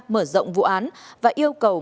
mở rộng vụ án và yêu cầu